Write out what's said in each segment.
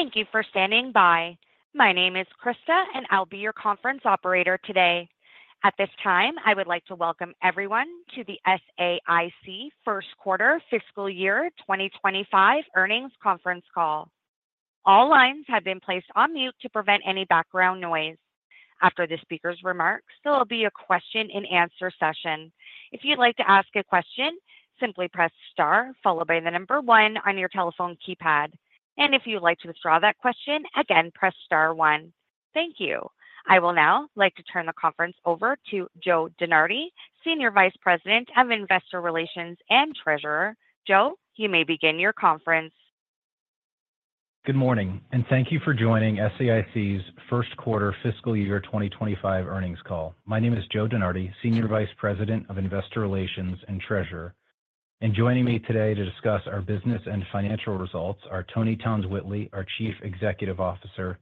Thank you for standing by. My name is Krista, and I'll be your conference operator today. At this time, I would like to welcome everyone to the SAIC First Quarter Fiscal Year 2025 Earnings Conference Call. All lines have been placed on mute to prevent any background noise. After the speaker's remarks, there will be a question-and-answer session. If you'd like to ask a question, simply press star, followed by the number one on your telephone keypad. If you'd like to withdraw that question, again, press star one. Thank you. I will now like to turn the conference over to Joe DeNardi, Senior Vice President of Investor Relations and Treasurer. Joe, you may begin your conference. Good morning, and thank you for joining SAIC's First Quarter Fiscal Year 2025 Earnings Call. My name is Joe DeNardi, Senior Vice President of Investor Relations and Treasurer, and joining me today to discuss our business and financial results are Toni Townes-Whitley, our Chief Executive Officer,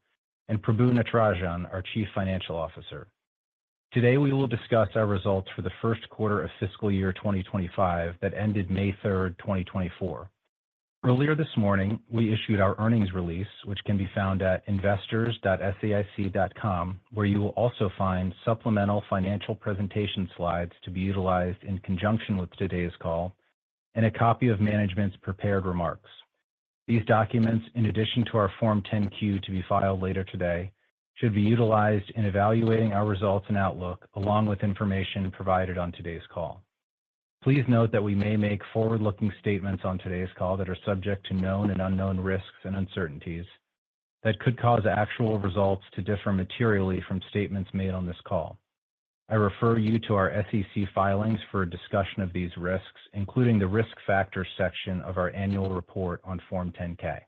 and Prabu Natarajan, our Chief Financial Officer. Today, we will discuss our results for the first quarter of fiscal year 2025 that ended May 3, 2024. Earlier this morning, we issued our earnings release, which can be found at investors.saic.com, where you will also find supplemental financial presentation slides to be utilized in conjunction with today's call and a copy of management's prepared remarks. These documents, in addition to our Form 10-Q to be filed later today, should be utilized in evaluating our results and outlook, along with information provided on today's call. Please note that we may make forward-looking statements on today's call that are subject to known and unknown risks and uncertainties that could cause actual results to differ materially from statements made on this call. I refer you to our SEC filings for a discussion of these risks, including the risk factors section of our annual report on Form 10-K.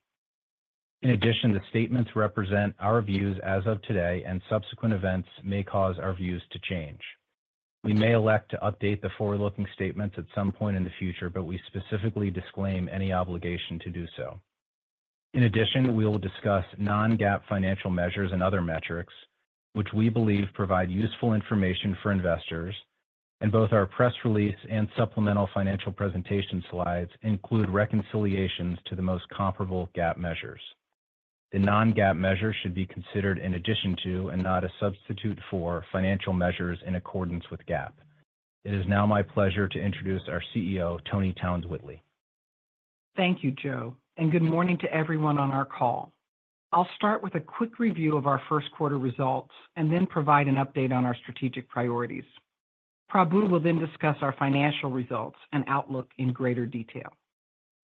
In addition, the statements represent our views as of today, and subsequent events may cause our views to change. We may elect to update the forward-looking statements at some point in the future, but we specifically disclaim any obligation to do so. In addition, we will discuss non-GAAP financial measures and other metrics which we believe provide useful information for investors, and both our press release and supplemental financial presentation slides include reconciliations to the most comparable GAAP measures. The non-GAAP measures should be considered in addition to, and not a substitute for, financial measures in accordance with GAAP. It is now my pleasure to introduce our CEO, Toni Townes-Whitley. Thank you, Joe, and good morning to everyone on our call. I'll start with a quick review of our first quarter results and then provide an update on our strategic priorities. Prabu will then discuss our financial results and outlook in greater detail.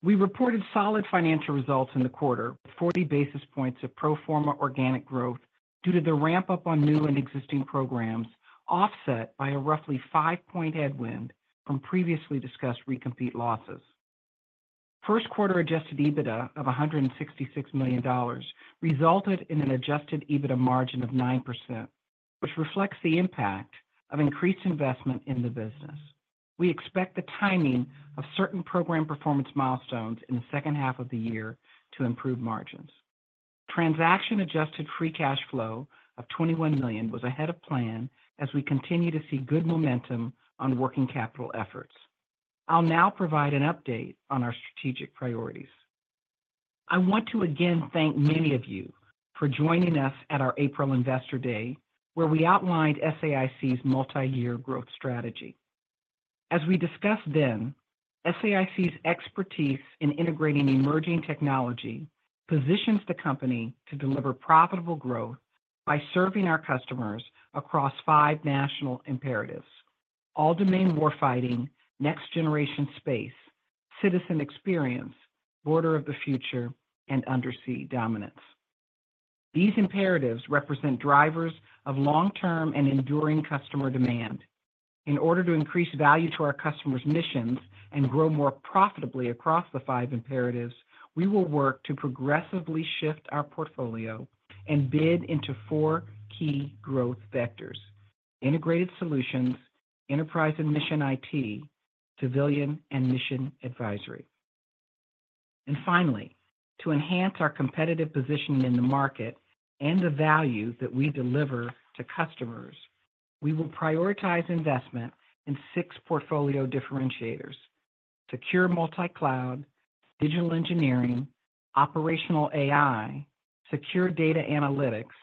We reported solid financial results in the quarter, 40 basis points of pro forma organic growth due to the ramp-up on new and existing programs, offset by a roughly five-point headwind from previously discussed recompete losses. First quarter Adjusted EBITDA of $166 million resulted in an Adjusted EBITDA margin of 9%, which reflects the impact of increased investment in the business. We expect the timing of certain program performance milestones in the second half of the year to improve margins. Transaction-adjusted free cash flow of $21 million was ahead of plan as we continue to see good momentum on working capital efforts. I'll now provide an update on our strategic priorities. I want to again thank many of you for joining us at our April Investor Day, where we outlined SAIC's multi-year growth strategy. As we discussed then, SAIC's expertise in integrating emerging technology positions the company to deliver profitable growth by serving our customers across five national imperatives: all-domain warfighting, next-generation space, citizen experience, border of the future, and undersea dominance. These imperatives represent drivers of long-term and enduring customer demand. In order to increase value to our customers' missions and grow more profitably across the five imperatives, we will work to progressively shift our portfolio and bid into four key growth vectors: integrated solutions, enterprise and mission IT, civilian, and mission advisory. And finally, to enhance our competitive positioning in the market and the value that we deliver to customers, we will prioritize investment in six portfolio differentiators: secure multi-cloud, digital engineering, operational AI, secure data analytics,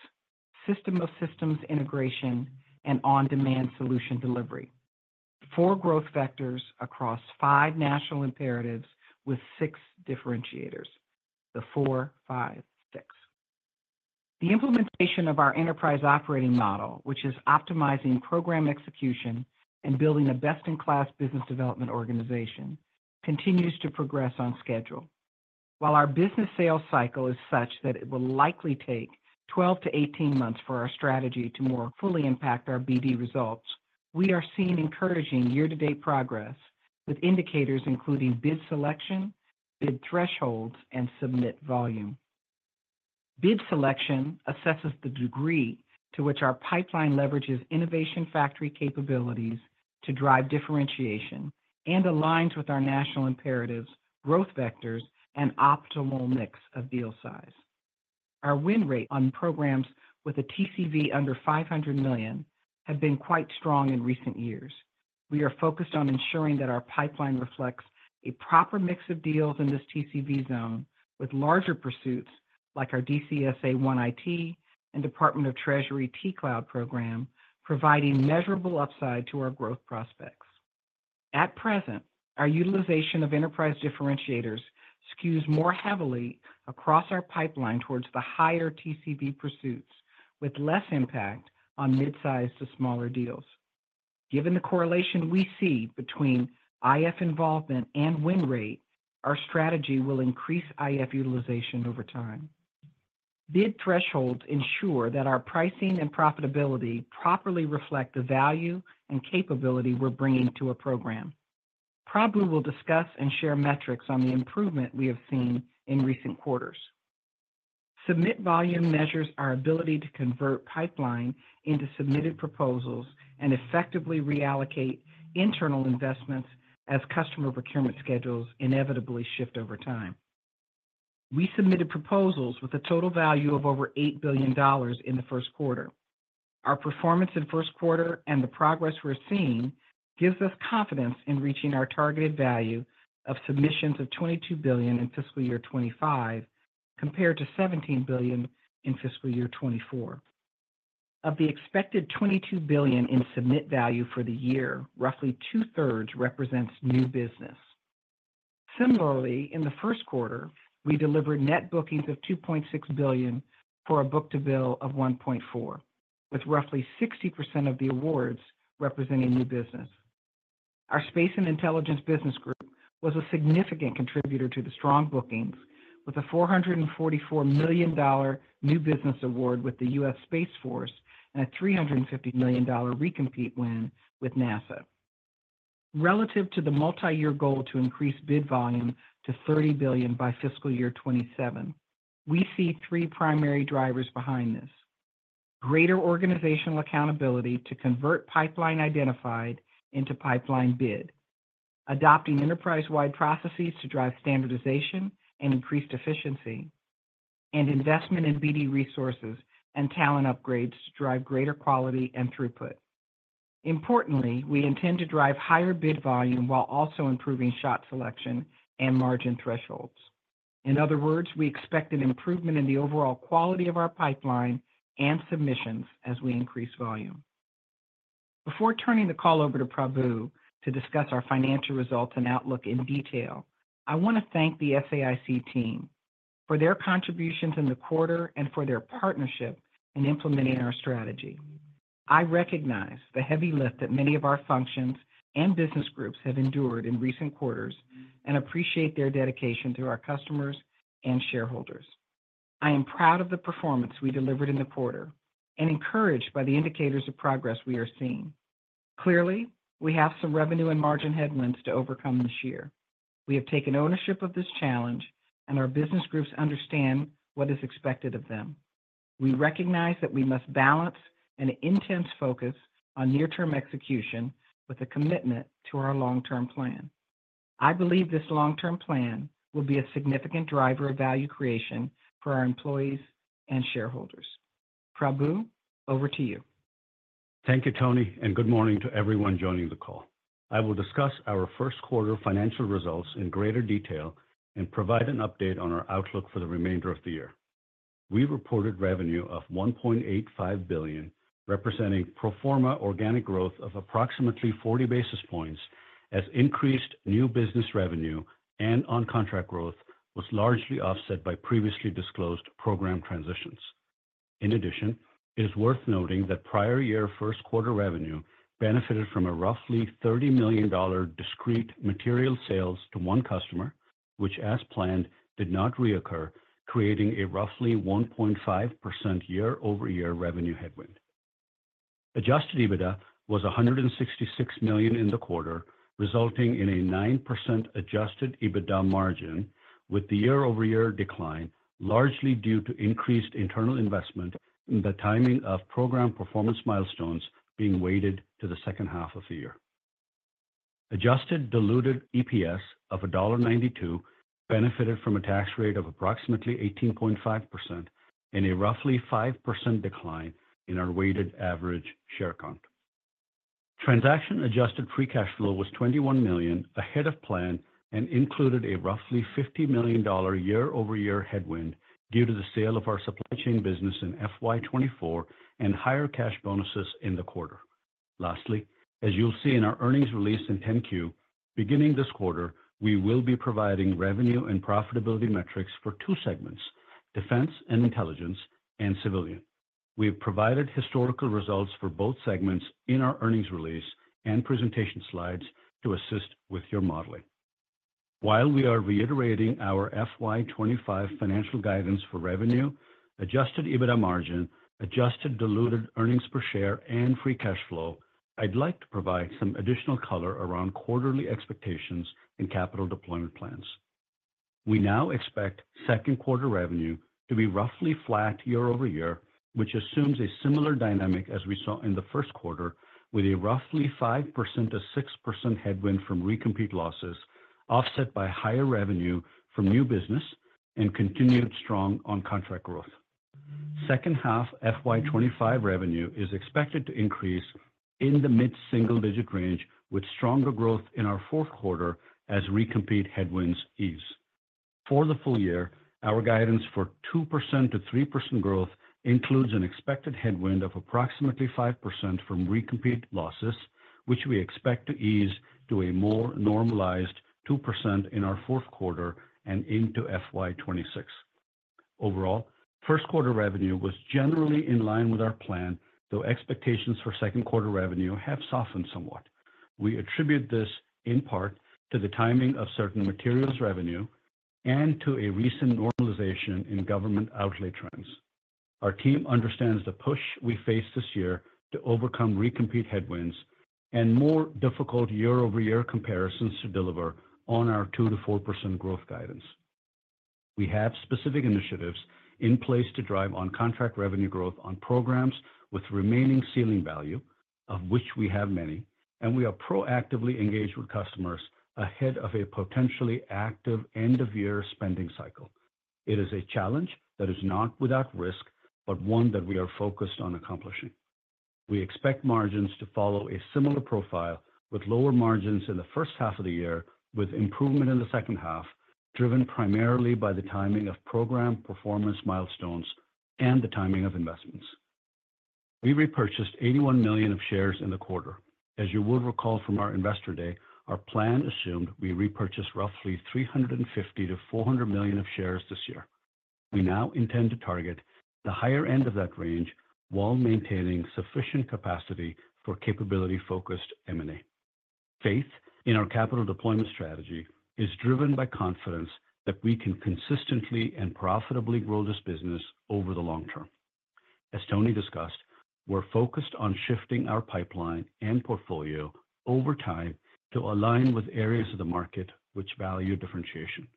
system of systems integration, and on-demand solution delivery. four growth vectors across five national imperatives with six differentiators. The four, five, six. The implementation of our enterprise operating model, which is optimizing program execution and building a best-in-class business development organization, continues to progress on schedule. While our business sales cycle is such that it will likely take 12-18 months for our strategy to more fully impact our BD results, we are seeing encouraging year-to-date progress with indicators including bid selection, bid thresholds, and submit volume. Bid selection assesses the degree to which our pipeline leverages Innovation Factory capabilities to drive differentiation and aligns with our national imperatives, growth vectors, and optimal mix of deal size. Our win rate on programs with a TCV under $500 million have been quite strong in recent years. We are focused on ensuring that our pipeline reflects a proper mix of deals in this TCV zone, with larger pursuits like our DCSA OneIT and Department of the Treasury T-Cloud program, providing measurable upside to our growth prospects. At present, our utilization of enterprise differentiators skews more heavily across our pipeline towards the higher TCV pursuits, with less impact on midsize to smaller deals. Given the correlation we see between IF involvement and win rate, our strategy will increase IF utilization over time. Bid thresholds ensure that our pricing and profitability properly reflect the value and capability we're bringing to a program. Prabu will discuss and share metrics on the improvement we have seen in recent quarters. Submit volume measures our ability to convert pipeline into submitted proposals and effectively reallocate internal investments as customer procurement schedules inevitably shift over time. We submitted proposals with a total value of over $8 billion in the first quarter. Our performance in first quarter and the progress we're seeing, gives us confidence in reaching our targeted value of submissions of $22 billion in fiscal year 2025, compared to $17 billion in fiscal year 2024. Of the expected $22 billion in submit value for the year, roughly two-thirds represents new business. Similarly, in the first quarter, we delivered net bookings of $2.6 billion for a book-to-bill of 1.4, with roughly 60% of the awards representing new business. Our Space and Intelligence business group was a significant contributor to the strong bookings, with a $444 million new business award with the US Space Force and a $350 million recompete win with NASA. Relative to the multiyear goal to increase bid volume to $30 billion by fiscal year 2027, we see three primary drivers behind this: greater organizational accountability to convert pipeline identified into pipeline bid, adopting enterprise-wide processes to drive standardization and increased efficiency, and investment in BD resources and talent upgrades to drive greater quality and throughput. Importantly, we intend to drive higher bid volume while also improving shot selection and margin thresholds. In other words, we expect an improvement in the overall quality of our pipeline and submissions as we increase volume. Before turning the call over to Prabu to discuss our financial results and outlook in detail, I want to thank the SAIC team for their contributions in the quarter and for their partnership in implementing our strategy. I recognize the heavy lift that many of our functions and business groups have endured in recent quarters, and appreciate their dedication to our customers and shareholders. I am proud of the performance we delivered in the quarter and encouraged by the indicators of progress we are seeing. Clearly, we have some revenue and margin headwinds to overcome this year. We have taken ownership of this challenge, and our business groups understand what is expected of them. We recognize that we must balance an intense focus on near-term execution with a commitment to our long-term plan. I believe this long-term plan will be a significant driver of value creation for our employees and shareholders. Prabu, over to you. Thank you, Toni, and good morning to everyone joining the call. I will discuss our first quarter financial results in greater detail and provide an update on our outlook for the remainder of the year. We reported revenue of $1.85 billion, representing pro forma organic growth of approximately 40 basis points, as increased new business revenue and on-contract growth was largely offset by previously disclosed program transitions. In addition, it is worth noting that prior year first quarter revenue benefited from a roughly $30 million discrete material sales to one customer, which, as planned, did not reoccur, creating a roughly 1.5% year-over-year revenue headwind. Adjusted EBITDA was $166 million in the quarter, resulting in a 9% adjusted EBITDA margin, with the year-over-year decline largely due to increased internal investment and the timing of program performance milestones being weighted to the second half of the year. Adjusted diluted EPS of $1.92 benefited from a tax rate of approximately 18.5% and a roughly 5% decline in our weighted average share count. Transaction-adjusted free cash flow was $21 million, ahead of plan, and included a roughly $50 million year-over-year headwind due to the sale of our supply chain business in FY 2024 and higher cash bonuses in the quarter. Lastly, as you'll see in our earnings release in 10-Q, beginning this quarter, we will be providing revenue and profitability metrics for two segments: Defense and Intelligence and Civilian. We have provided historical results for both segments in our earnings release and presentation slides to assist with your modeling. While we are reiterating our FY 2025 financial guidance for revenue, adjusted EBITDA margin, adjusted diluted earnings per share, and free cash flow, I'd like to provide some additional color around quarterly expectations and capital deployment plans. We now expect second quarter revenue to be roughly flat year-over-year, which assumes a similar dynamic as we saw in the first quarter, with a roughly 5%-6% headwind from recompete losses, offset by higher revenue from new business and continued strong on-contract growth. Second half, FY 2025 revenue is expected to increase in the mid-single-digit range, with stronger growth in our fourth quarter as recompete headwinds ease. For the full year, our guidance for 2%-3% growth includes an expected headwind of approximately 5% from recompete losses, which we expect to ease to a more normalized 2% in our fourth quarter and into FY26. Overall, first quarter revenue was generally in line with our plan, though expectations for second quarter revenue have softened somewhat. We attribute this, in part, to the timing of certain materials revenue and to a recent normalization in government outlay trends. Our team understands the push we face this year to overcome recompete headwinds and more difficult year-over-year comparisons to deliver on our 2%-4% growth guidance. We have specific initiatives in place to drive on-contract revenue growth on programs with remaining ceiling value, of which we have many, and we are proactively engaged with customers ahead of a potentially active end-of-year spending cycle. It is a challenge that is not without risk, but one that we are focused on accomplishing. We expect margins to follow a similar profile, with lower margins in the first half of the year, with improvement in the second half, driven primarily by the timing of program performance milestones and the timing of investments. We repurchased $81 million shares in the quarter. As you would recall from our Investor Day, our plan assumed we repurchased roughly $350 million-$400 million shares this year. We now intend to target the higher end of that range while maintaining sufficient capacity for capability-focused M&A. Faith in our capital deployment strategy is driven by confidence that we can consistently and profitably grow this business over the long term. As Toni discussed, we're focused on shifting our pipeline and portfolio over time to align with areas of the market which value differentiation.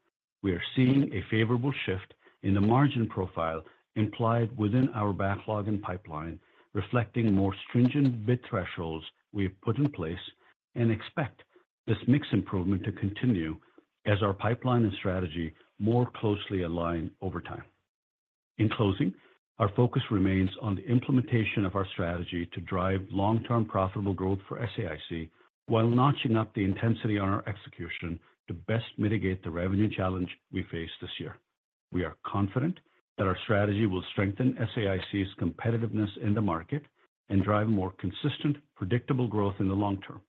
We are seeing a favorable shift in the margin profile implied within our backlog and pipeline, reflecting more stringent bid thresholds we have put in place, and expect this mix improvement to continue as our pipeline and strategy more closely align over time. In closing, our focus remains on the implementation of our strategy to drive long-term profitable growth for SAIC, while notching up the intensity on our execution to best mitigate the revenue challenge we face this year. We are confident that our strategy will strengthen SAIC's competitiveness in the market and drive more consistent, predictable growth in the long term.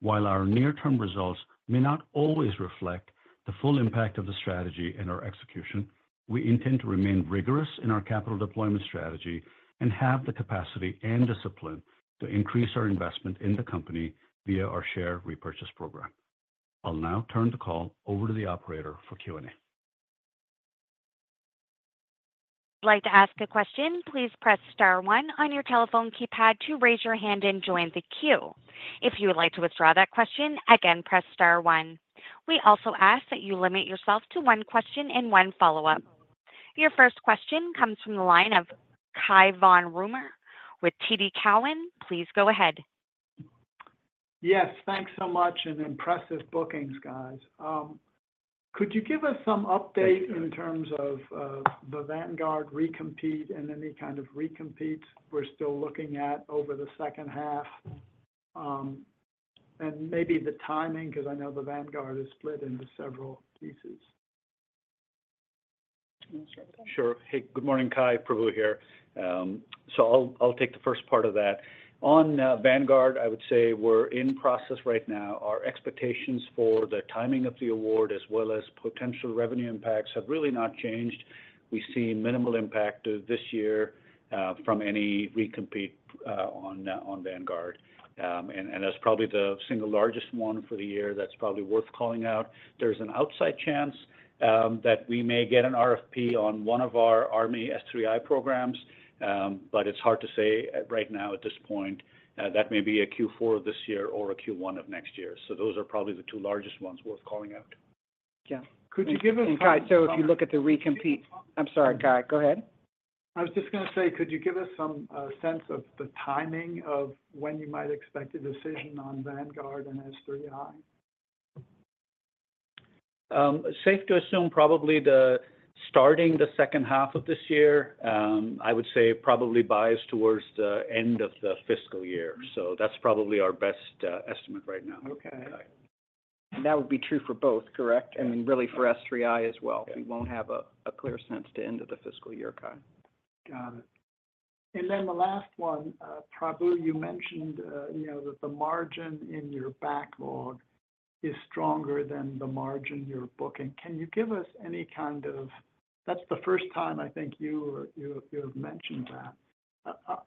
While our near-term results may not always reflect the full impact of the strategy and our execution, we intend to remain rigorous in our capital deployment strategy and have the capacity and discipline to increase our investment in the company via our share repurchase program. I'll now turn the call over to the operator for Q&A. If you'd like to ask a question, please press star one on your telephone keypad to raise your hand and join the queue. If you would like to withdraw that question, again, press star one. We also ask that you limit yourself to one question and one follow-up. Your first question comes from the line of Cai von Rumohr with TD Cowen. Please go ahead. Yes, thanks so much, and impressive bookings, guys. Could you give us some update-... in terms of the Vanguard recompete and any kind of recompete we're still looking at over the second half? And maybe the timing, 'cause I know the Vanguard is split into several pieces. Do you want to start with that? Sure. Hey, good morning, Cai. Prabu here. So I'll take the first part of that. On Vanguard, I would say we're in process right now. Our expectations for the timing of the award, as well as potential revenue impacts, have really not changed. We see minimal impact to this year from any recompete on Vanguard. And that's probably the single largest one for the year that's probably worth calling out. There's an outside chance that we may get an RFP on one of our Army S3I programs, but it's hard to say right now at this point. That may be a Q4 of this year or a Q1 of next year. So those are probably the two largest ones worth calling out. Yeah. Could you give us- Cai, so if you look at the recompete-- I'm sorry, Cai, go ahead. I was just gonna say, could you give us some sense of the timing of when you might expect a decision on Vanguard and S3I? Safe to assume probably the starting the second half of this year, I would say probably biased towards the end of the fiscal year. So that's probably our best estimate right now. Okay. That would be true for both, correct? Yes. I mean, really, for S3I as well. Yeah. We won't have a clear sense until the end of the fiscal year, Cai. Got it. And then the last one, Prabu, you mentioned, you know, that the margin in your backlog is stronger than the margin you're booking. Can you give us any kind of... That's the first time I think you've mentioned that.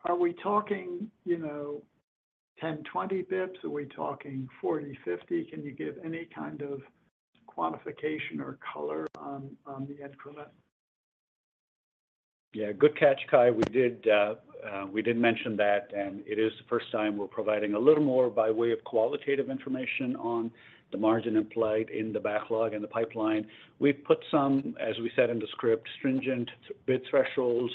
Are we talking, you know, 10, 20 basis points? Are we talking 40, 50? Can you give any kind of quantification or color on the increment? Yeah, good catch, Cai. We did mention that, and it is the first time we're providing a little more by way of qualitative information on the margin implied in the backlog and the pipeline. We've put some, as we said in the script, stringent bid thresholds,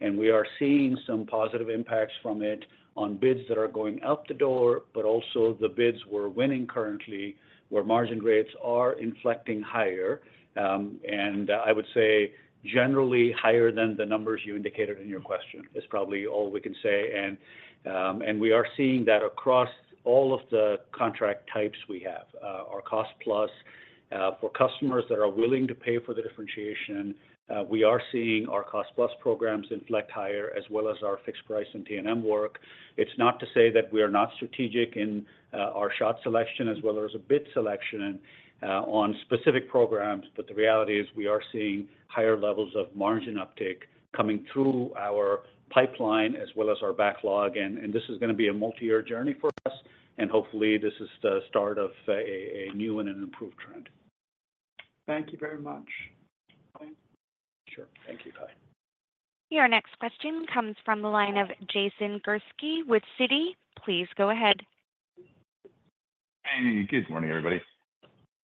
and we are seeing some positive impacts from it on bids that are going out the door, but also the bids we're winning currently, where margin rates are inflecting higher, and I would say generally higher than the numbers you indicated in your question is probably all we can say. And, and we are seeing that across all of the contract types we have. Our Cost Plus, for customers that are willing to pay for the differentiation, we are seeing our Cost Plus programs inflect higher as well as our Fixed Price and T&M work. It's not to say that we are not strategic in our shot selection as well as a bid selection on specific programs, but the reality is we are seeing higher levels of margin uptick coming through our pipeline as well as our backlog. And this is gonna be a multi-year journey for us, and hopefully, this is the start of a new and an improved trend. Thank you very much. Bye. Sure. Thank you. Bye. Your next question comes from the line of Jason Gursky with Citi. Please go ahead. Hey, good morning, everybody.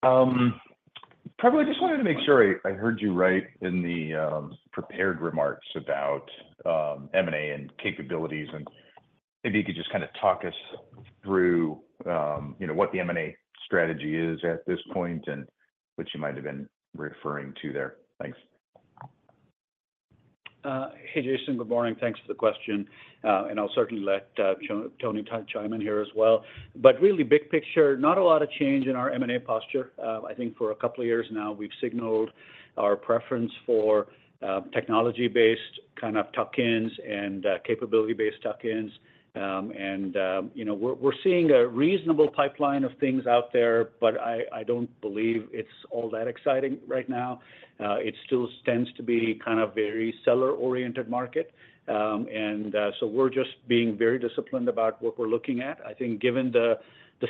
Probably just wanted to make sure I heard you right in the prepared remarks about M&A and capabilities, and maybe you could just kind of talk us through, you know, what the M&A strategy is at this point and what you might have been referring to there? Thanks. Hey, Jason, good morning. Thanks for the question. I'll certainly let Toni chime in here as well. But really big picture, not a lot of change in our M&A posture. I think for a couple of years now, we've signaled our preference for technology-based kind of tuck-ins and capability-based tuck-ins. You know, we're, we're seeing a reasonable pipeline of things out there, but I, I don't believe it's all that exciting right now. It still tends to be kind of very seller-oriented market. So, we're just being very disciplined about what we're looking at. I think given the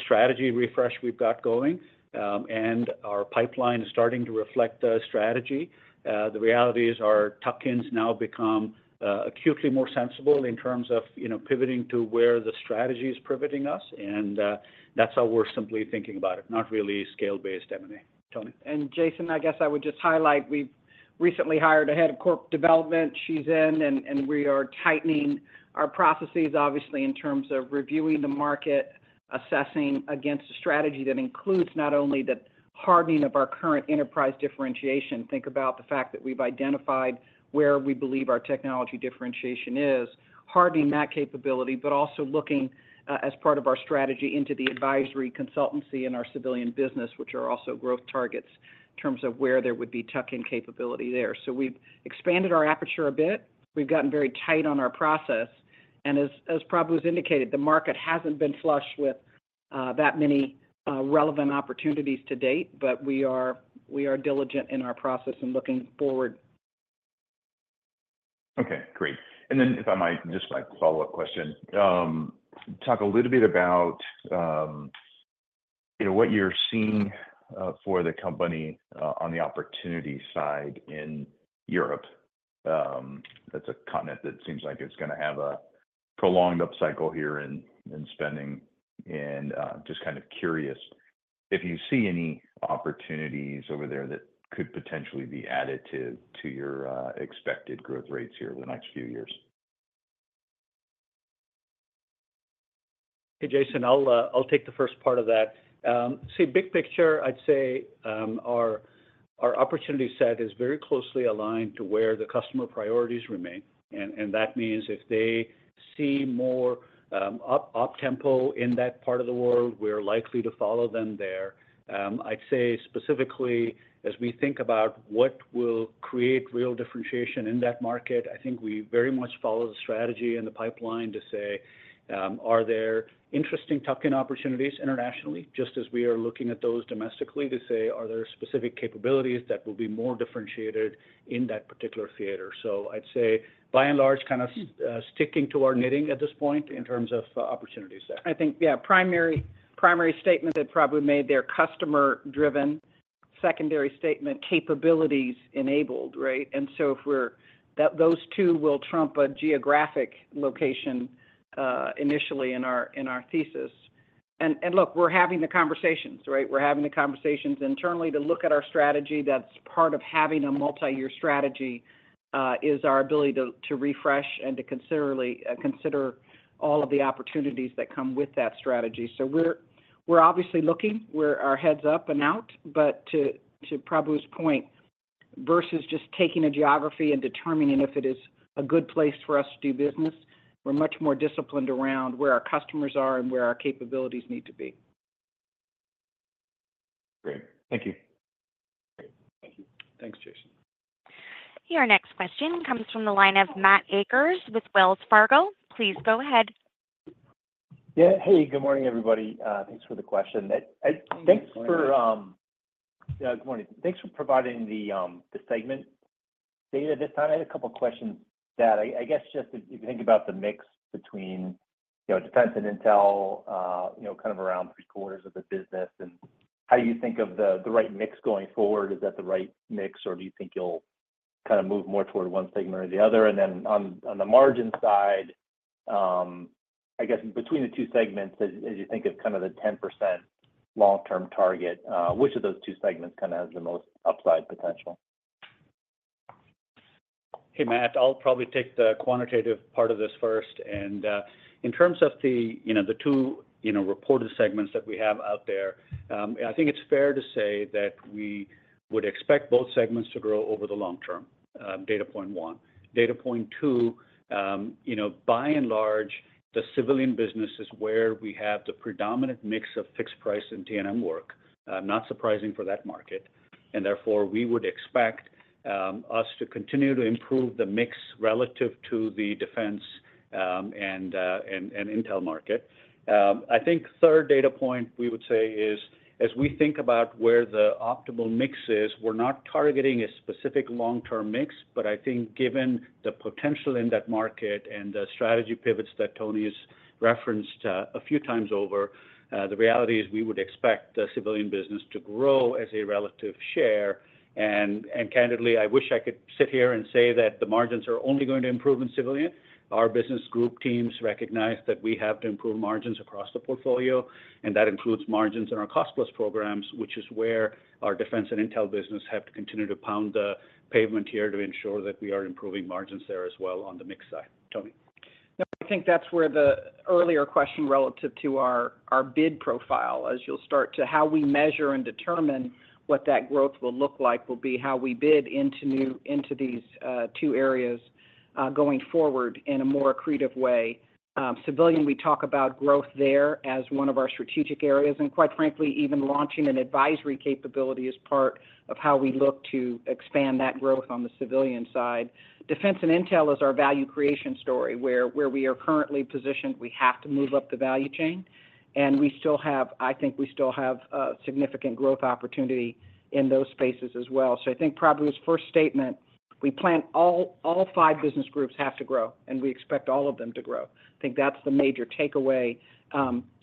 strategy refresh we've got going, and our pipeline is starting to reflect the strategy, the reality is our tuck-ins now become acutely more sensible in terms of, you know, pivoting to where the strategy is pivoting us, and that's how we're simply thinking about it, not really scale-based M&A. Tony? And Jason, I guess I would just highlight, we've recently hired a head of corporate development. She's in, and we are tightening our processes, obviously, in terms of reviewing the market, assessing against a strategy that includes not only the hardening of our current enterprise differentiation. Think about the fact that we've identified where we believe our technology differentiation is, hardening that capability, but also looking as part of our strategy into the advisory consultancy in our civilian business, which are also growth targets in terms of where there would be tuck-in capability there. So, we've expanded our aperture a bit. We've gotten very tight on our process, and as Prabhu has indicated, the market hasn't been flush with that many relevant opportunities to date, but we are diligent in our process and looking forward. Okay, great. And then if I might, just my follow-up question. Talk a little bit about, you know, what you're seeing for the company on the opportunity side in Europe? That's a continent that seems like it's gonna have a prolonged upcycle here in spending. And just kind of curious if you see any opportunities over there that could potentially be added to your expected growth rates here in the next few years? Hey, Jason, I'll, I'll take the first part of that. See, big picture, I'd say our opportunity set is very closely aligned to where the customer priorities remain, and that means if they see more op tempo in that part of the world, we're likely to follow them there. I'd say specifically, as we think about what will create real differentiation in that market, I think we very much follow the strategy and the pipeline to say, are there interesting tuck-in opportunities internationally? Just as we are looking at those domestically, to say, are there specific capabilities that will be more differentiated in that particular theater. So, I'd say, by and large, kind of sticking to our knitting at this point in terms of opportunities there. I think, yeah, primary, primary statement that probably made there, customer-driven, secondary statement, capabilities enabled, right? And so, if we're that those two will trump a geographic location, initially in our, in our thesis. And, and look, we're having the conversations, right? We're having the conversations internally to look at our strategy. That's part of having a multi-year strategy, is our ability to, to refresh and to consider all of the opportunities that come with that strategy. So, we're, we're obviously looking, our head's up and out, but to, to Prabu's point, versus just taking a geography and determining if it is a good place for us to do business, we're much more disciplined around where our customers are and where our capabilities need to be. Great. Thank you. Great. Thank you. Thanks, Jason. Your next question comes from the line of Matt Akers with Wells Fargo. Please go ahead. Yeah. Hey, good morning, everybody. Thanks for the question. Thanks for, Good morning. Yeah, good morning. Thanks for providing the segment data this time. I had a couple of questions that I guess, just if you think about the mix between, you know, defense and Intel, you know, kind of around three-quarters of the business, and how you think of the right mix going forward, is that the right mix, or do you think you'll kind of move more toward one segment or the other? And then on the margin side, I guess between the two segments, as you think of kind of the 10% long-term target, which of those two segments kind of has the most upside potential?... Hey, Matt, I'll probably take the quantitative part of this first. And in terms of the, you know, the two, you know, reported segments that we have out there, I think it's fair to say that we would expect both segments to grow over the long term, data point one. Data point two, you know, by and large, the civilian business is where we have the predominant mix of fixed price and T&M work. Not surprising for that market, and therefore, we would expect us to continue to improve the mix relative to the defense and Intel market. I think third data point we would say is, as we think about where the optimal mix is, we're not targeting a specific long-term mix, but I think given the potential in that market and the strategy pivots that Toni has referenced a few times over, the reality is we would expect the civilian business to grow as a relative share. And candidly, I wish I could sit here and say that the margins are only going to improve in civilian. Our business group teams recognize that we have to improve margins across the portfolio, and that includes margins in our cost-plus programs, which is where our defense and Intel business have to continue to pound the pavement here to ensure that we are improving margins there as well on the mix side. Toni? No, I think that's where the earlier question relative to our bid profile, as you'll start to how we measure and determine what that growth will look like, will be how we bid into new into these two areas going forward in a more accretive way. Civilian, we talk about growth there as one of our strategic areas, and quite frankly, even launching an advisory capability is part of how we look to expand that growth on the civilian side. Defense and Intel is our value creation story, where we are currently positioned, we have to move up the value chain, and we still have-- I think we still have significant growth opportunity in those spaces as well. So, I think probably his first statement, we plan all five business groups have to grow, and we expect all of them to grow. I think that's the major takeaway.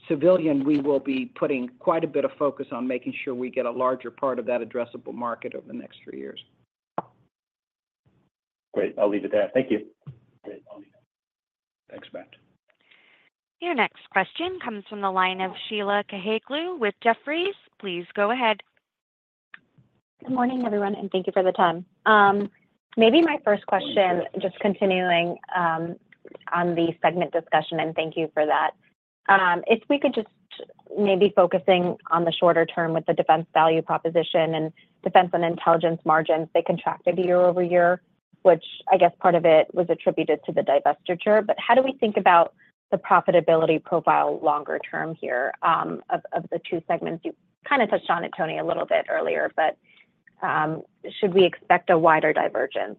Civilian, we will be putting quite a bit of focus on making sure we get a larger part of that addressable market over the next three years. Great. I'll leave it there. Thank you. Great. Thanks, Matt. Your next question comes from the line of Sheila Kahyaoglu with Jefferies. Please go ahead. Good morning, everyone, and thank you for the time. Maybe my first question, just continuing, on the segment discussion, and thank you for that. If we could just maybe focusing on the shorter term with the defense value proposition and defense and Intelligence margins, they contracted year over year, which I guess part of it was attributed to the divestiture. But how do we think about the profitability profile longer term here, of, of the two segments? You kind of touched on it, Toni, a little bit earlier, but should we expect a wider divergence?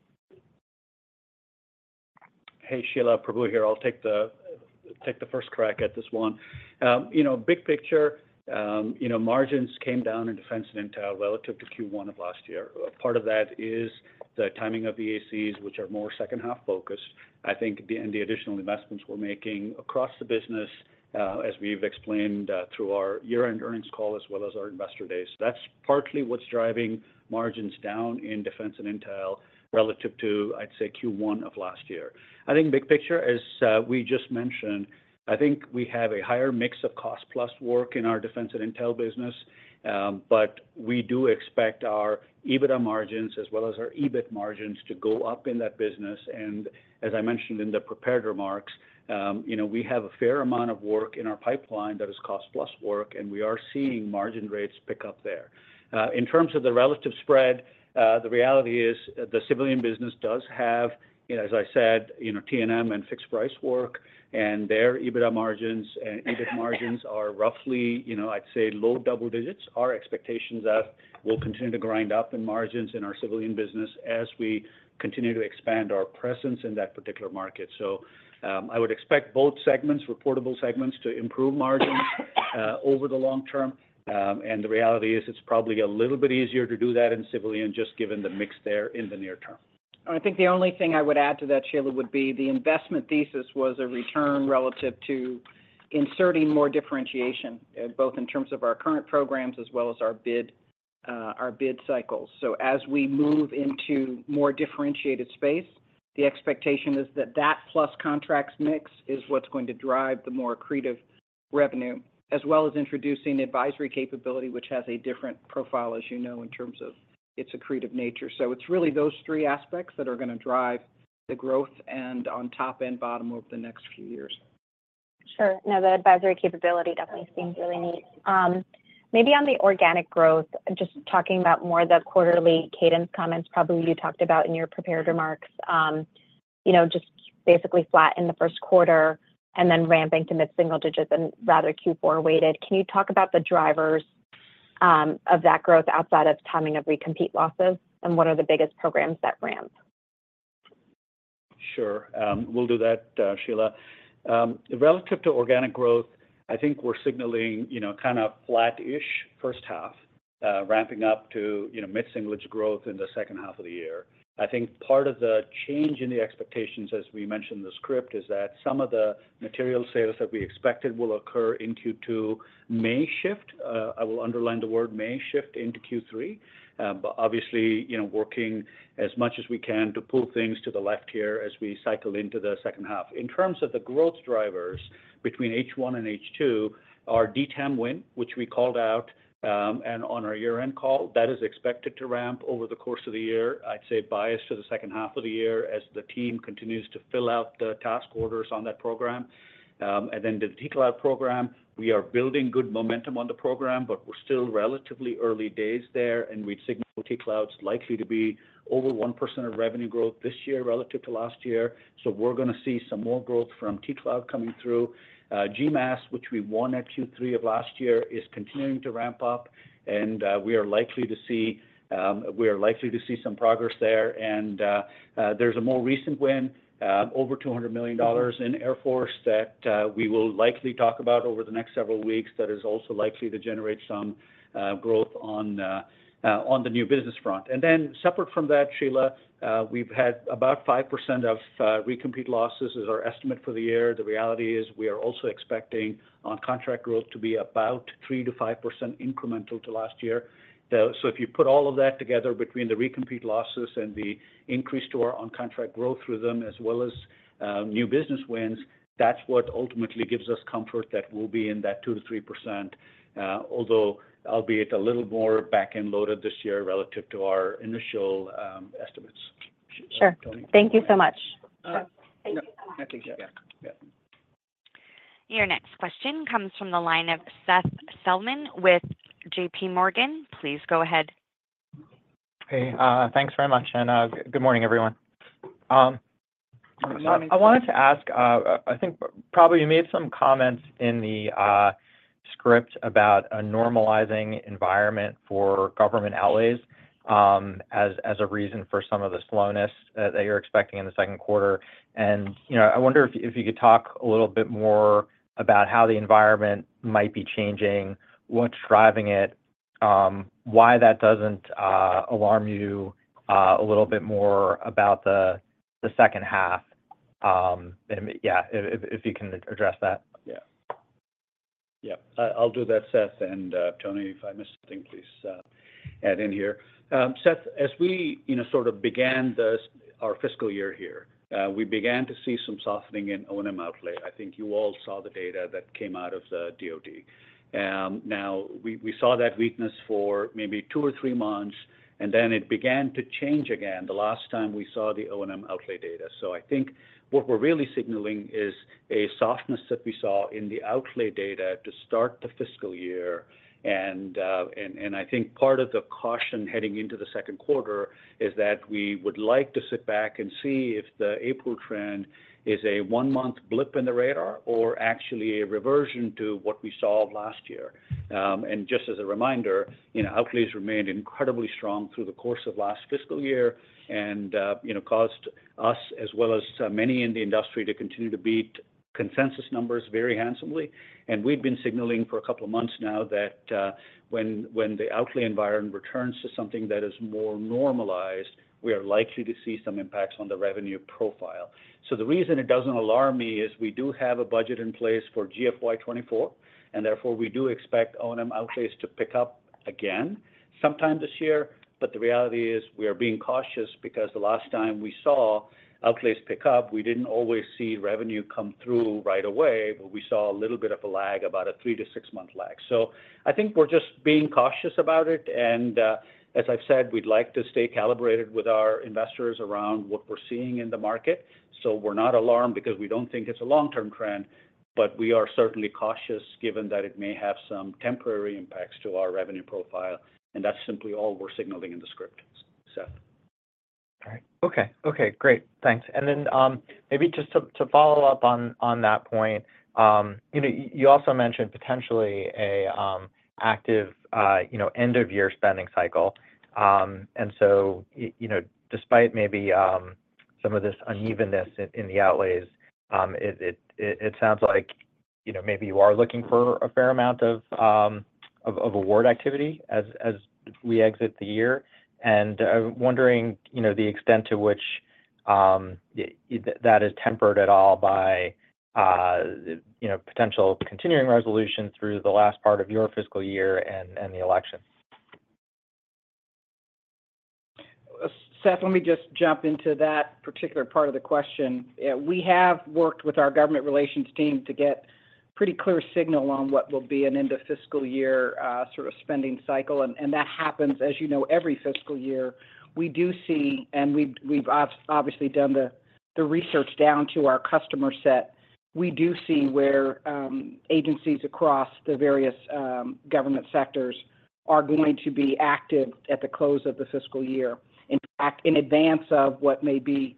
Hey, Sheila. Prabu here. I'll take the first crack at this one. You know, big picture, you know, margins came down in defense and Intel relative to Q1 of last year. Part of that is the timing of the EACs, which are more second half focused. I think and the additional investments we're making across the business, as we've explained, through our year-end earnings call, as well as our Investor Day. So that's partly what's driving margins down in defense and Intel relative to, I'd say, Q1 of last year. I think big picture, as we just mentioned, I think we have a higher mix of cost-plus work in our defense and Intel business, but we do expect our EBITDA margins as well as our EBIT margins to go up in that business. And as I mentioned in the prepared remarks, you know, we have a fair amount of work in our pipeline that is Cost Plus work, and we are seeing margin rates pick up there. In terms of the relative spread, the reality is, the civilian business does have, you know, as I said, you know, T&M and Fixed Price work, and their EBITDA margins and EBIT margins are roughly, you know, I'd say low double digits. Our expectations are that we'll continue to grind up in margins in our civilian business as we continue to expand our presence in that particular market. So, I would expect both segments, reportable segments, to improve margins over the long term. And the reality is, it's probably a little bit easier to do that in civilian, just given the mix there in the near term. I think the only thing I would add to that, Sheila, would be the investment thesis was a return relative to inserting more differentiation, both in terms of our current programs as well as our bid cycles. So as we move into more differentiated space, the expectation is that that plus contracts mix is what's going to drive the more accretive revenue, as well as introducing the advisory capability, which has a different profile, as you know, in terms of its accretive nature. So it's really those three aspects that are gonna drive the growth and on top and bottom over the next few years. Sure. Now, the advisory capability definitely seems really neat. Maybe on the organic growth, just talking about more the quarterly cadence comments, probably you talked about in your prepared remarks, you know, just basically flat in the first quarter and then ramping to mid-single digits and rather Q4 weighted. Can you talk about the drivers, of that growth outside of timing of recompete losses, and what are the biggest programs that ramp?... Sure, we'll do that, Sheila. Relative to organic growth, I think we're signaling, you know, kind of flat-ish first half, ramping up to, you know, mid-single growth in the second half of the year. I think part of the change in the expectations, as we mentioned in the script, is that some of the material sales that we expected will occur in Q2 may shift, I will underline the word, may shift into Q3. But obviously, you know, working as much as we can to pull things to the left here as we cycle into the second half. In terms of the growth drivers between H1 and H2, our DTAMM win, which we called out, and on our year-end call, that is expected to ramp over the course of the year. I'd say bias to the second half of the year as the team continues to fill out the task orders on that program. And then the T-Cloud program, we are building good momentum on the program, but we're still relatively early days there, and we'd signal T-Cloud's likely to be over 1% of revenue growth this year relative to last year. So we're gonna see some more growth from T-Cloud coming through. GMASS, which we won at Q3 of last year, is continuing to ramp up, and we are likely to see some progress there. There's a more recent win over $200 million in Air Force that we will likely talk about over the next several weeks, that is also likely to generate some growth on the new business front. Then separate from that, Sheila, we've had about 5% of recompete losses is our estimate for the year. The reality is, we are also expecting on-contract growth to be about 3%-5% incremental to last year. So if you put all of that together between the recompete losses and the increase to our on-contract growth through them, as well as new business wins, that's what ultimately gives us comfort that we'll be in that 2%-3%, although albeit a little more back-end loaded this year relative to our initial estimates. Sure. Toni- Thank you so much. Uh- Thank you so much. I think, yeah. Yeah. Your next question comes from the line of Seth Seifman with J.P. Morgan. Please go ahead. Hey, thanks very much, and, good morning, everyone. Good morning. I wanted to ask, I think probably you made some comments in the script about a normalizing environment for government outlays, as a reason for some of the slowness that you're expecting in the second quarter. And, you know, I wonder if you could talk a little bit more about how the environment might be changing, what's driving it, why that doesn't alarm you a little bit more about the second half? And yeah, if you can address that. Yeah. Yeah, I'll do that, Seth, and, Toni, if I miss something, please, add in here. Seth, as we, you know, sort of began our fiscal year here, we began to see some softening in O&M outlay. I think you all saw the data that came out of the DoD. Now, we saw that weakness for maybe two or three months, and then it began to change again the last time we saw the O&M outlay data. So I think what we're really signaling is a softness that we saw in the outlay data to start the fiscal year. And I think part of the caution heading into the second quarter is that we would like to sit back and see if the April trend is a one-month blip in the radar or actually a reversion to what we saw last year. Just as a reminder, you know, outlays remained incredibly strong through the course of last fiscal year and, you know, caused us, as well as, many in the industry, to continue to beat consensus numbers very handsomely. And we've been signaling for a couple of months now that when the outlay environment returns to something that is more normalized, we are likely to see some impacts on the revenue profile. So the reason it doesn't alarm me is we do have a budget in place for GFY 2024, and therefore, we do expect O&M outlays to pick up again sometime this year. But the reality is, we are being cautious because the last time we saw outlays pick up, we didn't always see revenue come through right away, but we saw a little bit of a lag, about a 3-6-month lag. So I think we're just being cautious about it, and, as I've said, we'd like to stay calibrated with our investors around what we're seeing in the market. So we're not alarmed because we don't think it's a long-term trend, but we are certainly cautious given that it may have some temporary impacts to our revenue profile, and that's simply all we're signaling in the script, Seth. All right. Okay. Okay, great. Thanks. And then, maybe just to follow up on that point, you know, you also mentioned potentially a active, you know, end-of-year spending cycle. And so you know, despite maybe, some of this unevenness in the outlays, it sounds like, you know, maybe you are looking for a fair amount of award activity as we exit the year. And I'm wondering, you know, the extent to which that is tempered at all by, you know, potential continuing resolution through the last part of your fiscal year and the election. Seth, let me just jump into that particular part of the question. We have worked with our government relations team to get pretty clear signal on what will be an end-of-fiscal year sort of spending cycle, and that happens, as you know, every fiscal year. We do see, and we've obviously done the research down to our customer set. We do see where agencies across the various government sectors are going to be active at the close of the fiscal year. In fact, in advance of what may be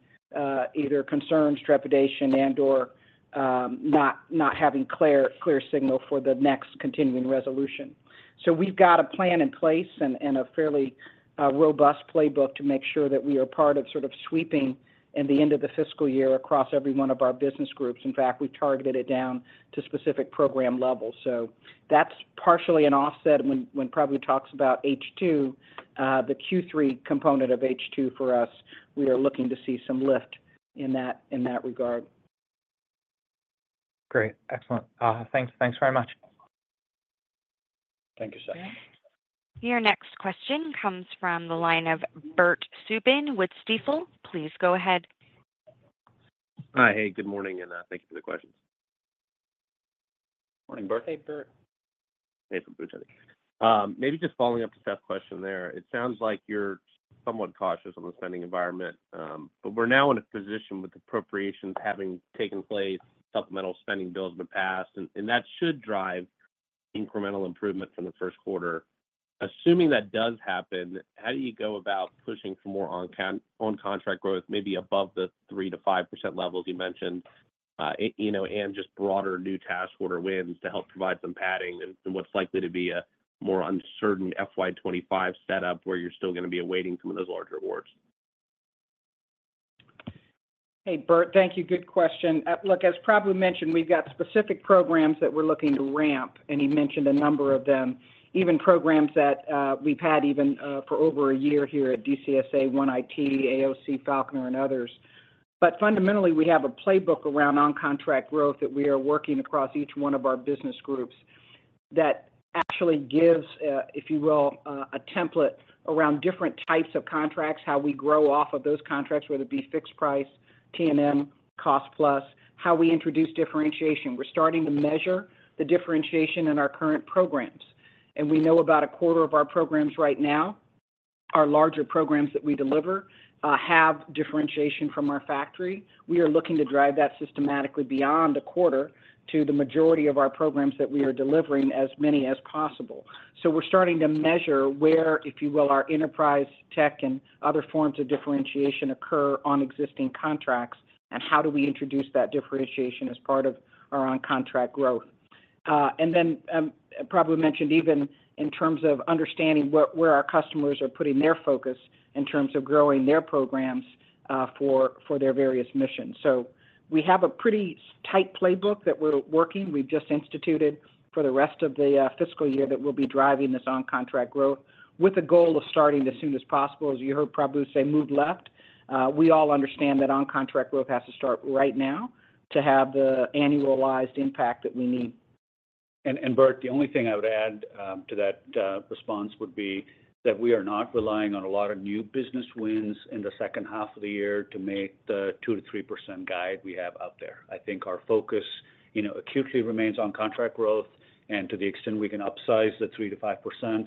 either concerns, trepidation, and/or not having clear signal for the next continuing resolution. So we've got a plan in place and a fairly robust playbook to make sure that we are part of sort of sweeping in the end of the fiscal year across every one of our business groups. In fact, we've targeted it down to specific program levels. So that's partially an offset when Prabu talks about H2, the Q3 component of H2 for us, we are looking to see some lift in that regard. Great. Excellent. Thanks. Thanks very much. Thank you, Seth. Your next question comes from the line of Bert Subin with Stifel. Please go ahead. Hi. Hey, good morning, and thank you for the questions. Morning, Bert. Hey, Bert. Hey, Prabu. Maybe just following up to Seth's question there, it sounds like you're somewhat cautious on the spending environment, but we're now in a position with appropriations having taken place, supplemental spending bills have been passed, and that should drive incremental improvement from the first quarter. Assuming that does happen, how do you go about pushing for more on-contract growth, maybe above the 3%-5% levels you mentioned, you know, and just broader new task order wins to help provide some padding in what's likely to be a more uncertain FY 2025 setup, where you're still gonna be awaiting some of those larger awards? Hey, Bert, thank you. Good question. Look, as Prabu mentioned, we've got specific programs that we're looking to ramp, and he mentioned a number of them, even programs that we've had even for over a year here at DCSA OneIT, AOC Falconer, and others. But fundamentally, we have a playbook around on-contract growth that we are working across each one of our business groups that actually gives, if you will, a template around different types of contracts, how we grow off of those contracts, whether it be Fixed Price, T&M, Cost Plus, how we introduce differentiation. We're starting to measure the differentiation in our current programs, and we know about a quarter of our programs right now, our larger programs that we deliver, have differentiation from our factory. We are looking to drive that systematically beyond a quarter to the majority of our programs that we are delivering, as many as possible. So we're starting to measure where, if you will, our enterprise tech and other forms of differentiation occur on existing contracts, and how do we introduce that differentiation as part of our on-contract growth. And then, Prabu mentioned even in terms of understanding where our customers are putting their focus in terms of growing their programs, for their various missions. So we have a pretty tight playbook that we're working. We've just instituted for the rest of the, fiscal year that we'll be driving this on-contract growth with the goal of starting as soon as possible. As you heard Prabu say, "Move left." We all understand that on-contract growth has to start right now to have the annualized impact that we need. Bert, the only thing I would add to that response would be that we are not relying on a lot of new business wins in the second half of the year to make the 2%-3% guide we have out there. I think our focus, you know, acutely remains on contract growth, and to the extent we can upsize the 3%-5%,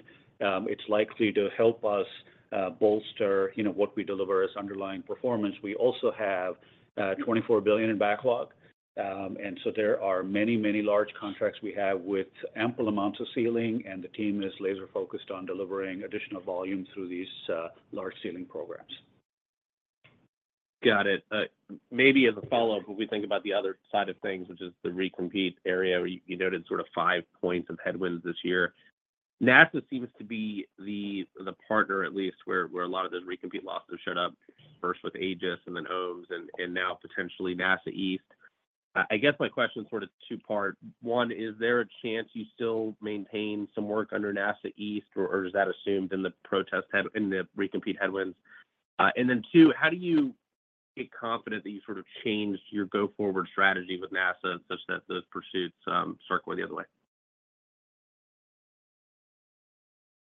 it's likely to help us bolster, you know, what we deliver as underlying performance. We also have $24 billion in backlog, and so there are many, many large contracts we have with ample amounts of ceiling, and the team is laser-focused on delivering additional volume through these large ceiling programs. Got it. Maybe as a follow-up, when we think about the other side of things, which is the recompete area, where you noted sort of five points of headwinds this year. NASA seems to be the partner, at least, where a lot of those recompete losses showed up, first with AEGIS and then OMES and now potentially NASA EAST. I guess my question is sort of two-part. One, is there a chance you still maintain some work under NASA EAST, or is that assumed in the recompete headwinds? And then two, how do you get confident that you sort of changed your go-forward strategy with NASA such that those pursuits start going the other way?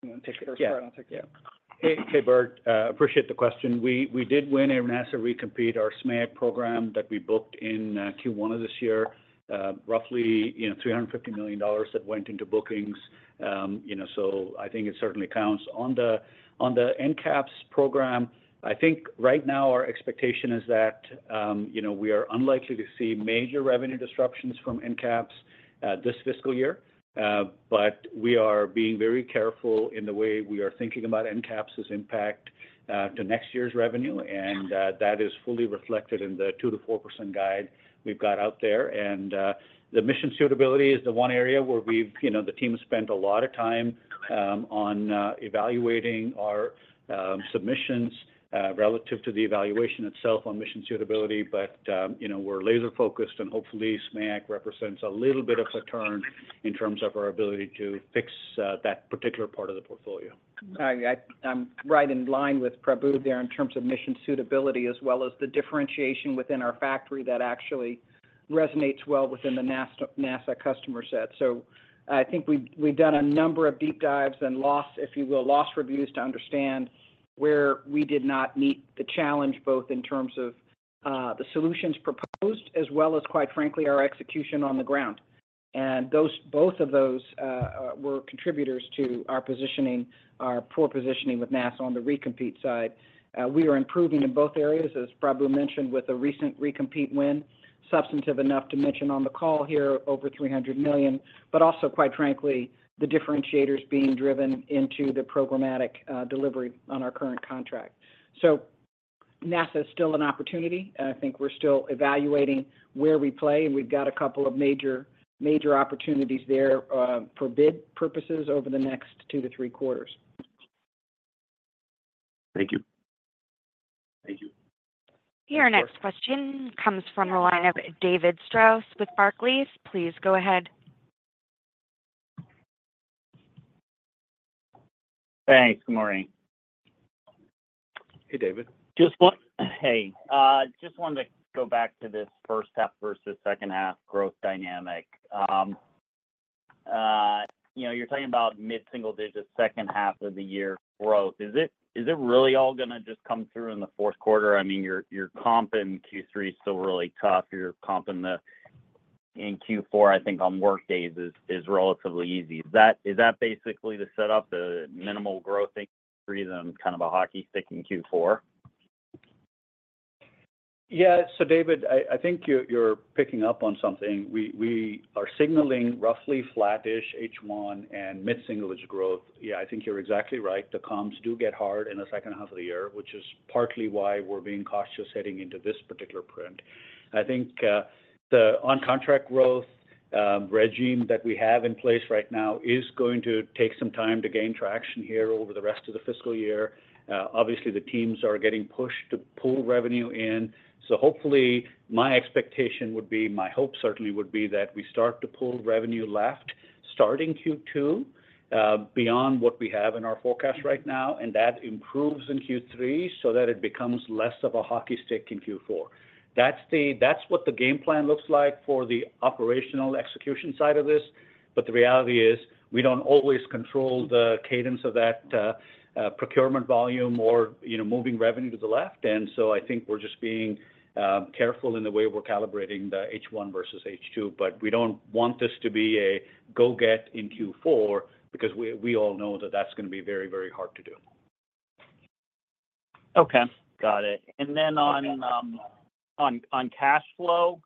You want to take the first part? Yeah. I'll take the other one. Yeah. Hey, hey, Bert, appreciate the question. We, we did win a NASA recompete, our SMAEC program that we booked in Q1 of this year, roughly, you know, $350 million that went into bookings. You know, so I think it certainly counts. On the, on the NCAPS program, I think right now our expectation is that, you know, we are unlikely to see major revenue disruptions from NCAPS, this fiscal year. But we are being very careful in the way we are thinking about NCAPS's impact, to next year's revenue, and, that is fully reflected in the 2%-4% guide we've got out there. The mission suitability is the one area where we've, you know, the team has spent a lot of time on evaluating our submissions relative to the evaluation itself on mission suitability. But, you know, we're laser-focused and hopefully, SMAEC represents a little bit of a turn in terms of our ability to fix that particular part of the portfolio. I- I'm right in line with Prabu there in terms of mission suitability, as well as the differentiation within our factory that actually resonates well within the NASA customer set. So I think we've done a number of deep dives and loss, if you will, loss reviews to understand where we did not meet the challenge, both in terms of the solutions proposed, as well as, quite frankly, our execution on the ground. And both of those were contributors to our positioning, our poor positioning with NASA on the recompete side. We are improving in both areas, as Prabu mentioned, with the recent recompete win, substantive enough to mention on the call here, over $300 million, but also, quite frankly, the differentiators being driven into the programmatic delivery on our current contract. So-... NASA is still an opportunity, and I think we're still evaluating where we play, and we've got a couple of major, major opportunities there for bid purposes over the next 2-3 quarters. Thank you. Thank you. Your next question comes from the line of David Strauss with Barclays. Please go ahead. Thanks. Good morning. Hey, David. Just one-- Hey, just wanted to go back to this first half versus second half growth dynamic. You know, you're talking about mid-single digit, second half of the year growth. Is it, is it really all gonna just come through in the fourth quarter? I mean, your, your comp in Q3 is still really tough. Your comp in the, in Q4, I think on workdays is, is relatively easy. Is that, is that basically the setup, the minimal growth in Q3, then kind of a hockey stick in Q4? Yeah. So, David, I think you're picking up on something. We are signaling roughly flat-ish H1 and mid-single-digit growth. Yeah, I think you're exactly right. The comps do get hard in the second half of the year, which is partly why we're being cautious heading into this particular print. I think the on-contract growth regime that we have in place right now is going to take some time to gain traction here over the rest of the fiscal year. Obviously, the teams are getting pushed to pull revenue in, so hopefully, my expectation would be, my hope certainly would be, that we start to pull revenue left, starting Q2, beyond what we have in our forecast right now, and that improves in Q3 so that it becomes less of a hockey stick in Q4. That's what the game plan looks like for the operational execution side of this. But the reality is, we don't always control the cadence of that, procurement volume or, you know, moving revenue to the left. And so I think we're just being careful in the way we're calibrating the H1 versus H2, but we don't want this to be a go get in Q4 because we, we all know that that's gonna be very, very hard to do. Okay, got it. And then on cash flow,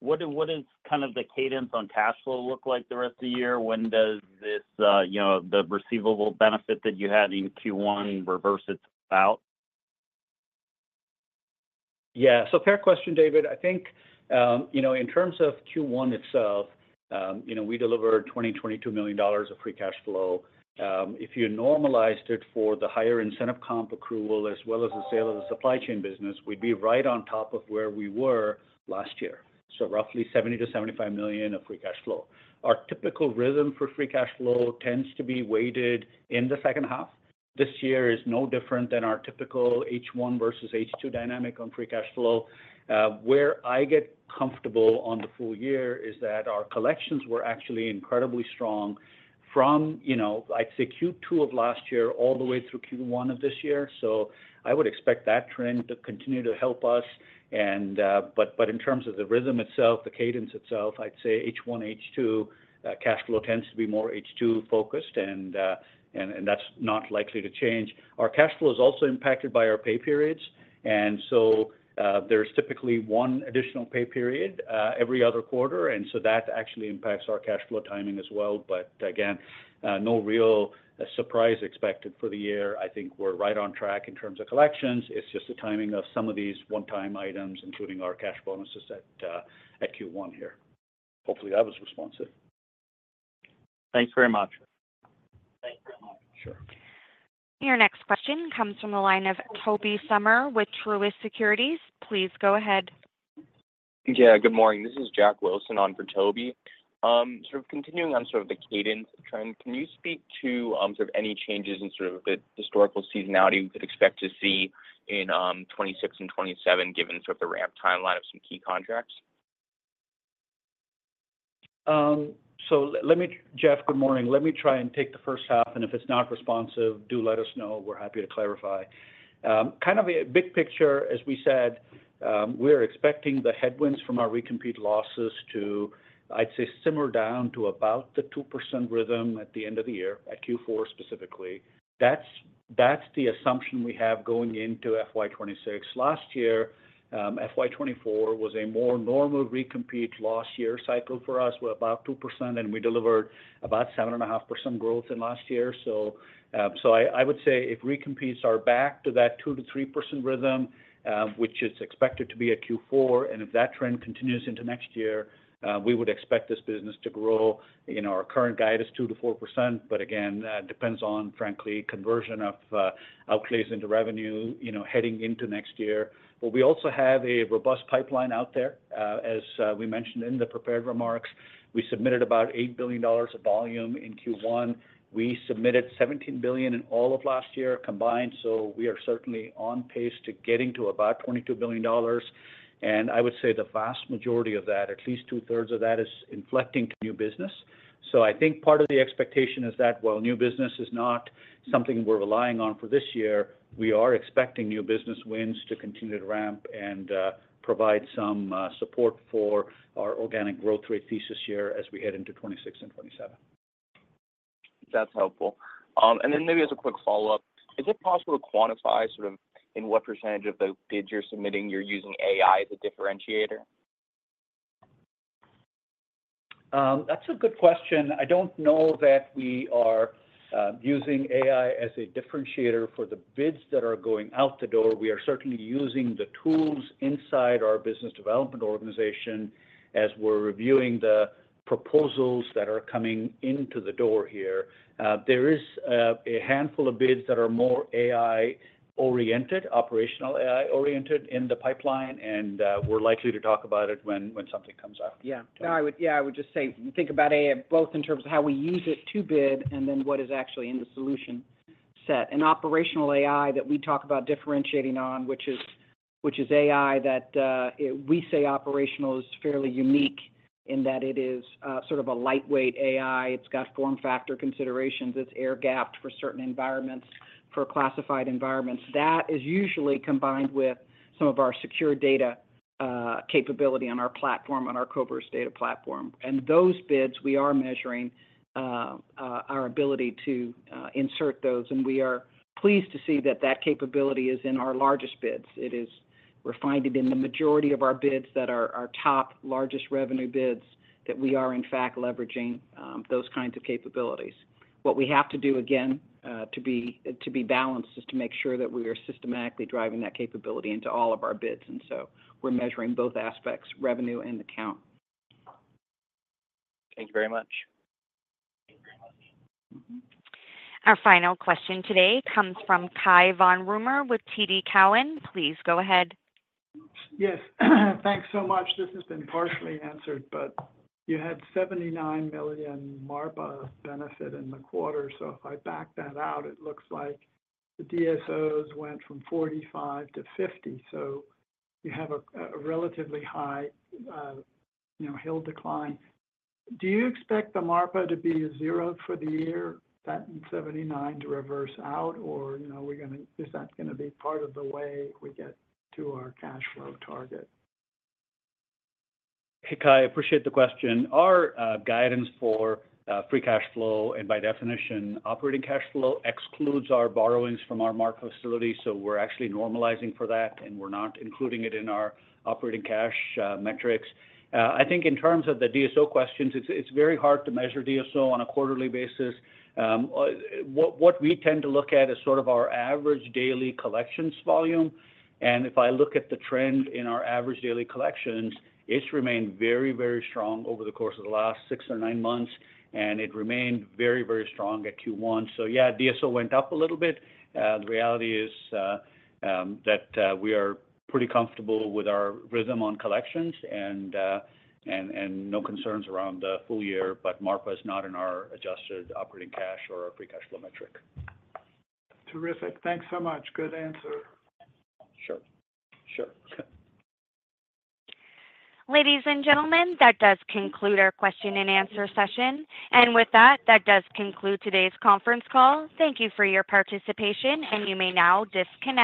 what is kind of the cadence on cash flow look like the rest of the year? When does this, you know, the receivable benefit that you had in Q1 reverse its out? Yeah. So fair question, David. I think, you know, in terms of Q1 itself, you know, we delivered $22 million of free cash flow. If you normalized it for the higher incentive comp accrual, as well as the sale of the supply chain business, we'd be right on top of where we were last year. So roughly $70 million-$75 million of free cash flow. Our typical rhythm for free cash flow tends to be weighted in the second half. This year is no different than our typical H1 versus H2 dynamic on free cash flow. Where I get comfortable on the full year is that our collections were actually incredibly strong from, you know, I'd say Q2 of last year all the way through Q1 of this year. So I would expect that trend to continue to help us and, but in terms of the rhythm itself, the cadence itself, I'd say H1, H2 cash flow tends to be more H2-focused, and that's not likely to change. Our cash flow is also impacted by our pay periods, and so, there's typically one additional pay period every other quarter, and so that actually impacts our cash flow timing as well. But again, no real surprise expected for the year. I think we're right on track in terms of collections. It's just the timing of some of these one-time items, including our cash bonuses at Q1 here. Hopefully, that was responsive. Thanks very much. Thanks very much. Sure. Your next question comes from the line of Toby Sommer with Truist Securities. Please go ahead. Yeah, good morning. This is Jack Wilson on for Toby. Sort of continuing on sort of the cadence trend, can you speak to sort of any changes in sort of the historical seasonality we could expect to see in 2026 and 2027, given sort of the ramp timeline of some key contracts? So let me, Jack, good morning. Let me try and take the first half, and if it's not responsive, do let us know. We're happy to clarify. Kind of a big picture, as we said, we're expecting the headwinds from our recompete losses to, I'd say, simmer down to about the 2% rhythm at the end of the year, at Q4, specifically. That's the assumption we have going into FY 2026. Last year, FY 2024 was a more normal recompete loss year cycle for us. We're about 2%, and we delivered about 7.5% growth in last year. So, I would say if recompetes are back to that 2%-3% rhythm, which is expected to be at Q4, and if that trend continues into next year, we would expect this business to grow. You know, our current guide is 2%-4%, but again, that depends on, frankly, conversion of opportunities into revenue, you know, heading into next year. But we also have a robust pipeline out there. As we mentioned in the prepared remarks, we submitted about $8 billion of volume in Q1. We submitted $17 billion in all of last year combined, so we are certainly on pace to getting to about $22 billion, and I would say the vast majority of that, at least two-thirds of that, is inflecting to new business. So, I think part of the expectation is that while new business is not something we're relying on for this year, we are expecting new business wins to continue to ramp and provide some support for our organic growth rate this year as we head into 2026 and 2027. That's helpful. And then maybe as a quick follow-up, is it possible to quantify sort of in what percentage of the bids you're submitting, you're using AI as a differentiator?... That's a good question. I don't know that we are using AI as a differentiator for the bids that are going out the door. We are certainly using the tools inside our business development organization as we're reviewing the proposals that are coming into the door here. There is a handful of bids that are more AI-oriented, operational AI-oriented in the pipeline, and we're likely to talk about it when something comes up. Yeah. No, I would- yeah, I would just say, think about AI both in terms of how we use it to bid and then what is actually in the solution set. And operational AI that we talk about differentiating on, which is AI that we say operational is fairly unique in that it is sort of a lightweight AI. It's got form factor considerations, it's air-gapped for certain environments, for classified environments. That is usually combined with some of our secure data capability on our platform, on our Koverse data platform. And those bids, we are measuring our ability to insert those, and we are pleased to see that that capability is in our largest bids. We're finding in the majority of our bids that are our top largest revenue bids, that we are in fact leveraging those kinds of capabilities. What we have to do, again, to be balanced, is to make sure that we are systematically driving that capability into all of our bids. And so, we're measuring both aspects, revenue and account. Thank you very much. Thank you very much. Mm-hmm. Our final question today comes from Cai von Rumohr with TD Cowen. Please go ahead. Yes, thanks so much. This has been partially answered, but you had $79 million MARPA benefit in the quarter. So, if I back that out, it looks like the DSOs went from 45-50. So, you have a relatively high, you know, hill decline. Do you expect the MARPA to be a zero for the year, that 79 to reverse out? Or, you know, are we gonna—is that gonna be part of the way we get to our cash flow target? Hey, Cai, appreciate the question. Our guidance for free cash flow, and by definition, operating cash flow excludes our borrowings from our MARPA facility, so we're actually normalizing for that, and we're not including it in our operating cash metrics. I think in terms of the DSO questions, it's very hard to measure DSO on a quarterly basis. What we tend to look at is sort of our average daily collections volume. And if I look at the trend in our average daily collections, it's remained very, very strong over the course of the last six or nine months, and it remained very, very strong at Q1. So yeah, DSO went up a little bit. The reality is that we are pretty comfortable with our rhythm on collections and no concerns around the full year, but MARPA is not in our adjusted operating cash or our free cash flow metric. Terrific. Thanks so much. Good answer. Sure. Sure. Ladies and gentlemen, that does conclude our question-and-answer session. And with that, that does conclude today's conference call. Thank you for your participation, and you may now disconnect.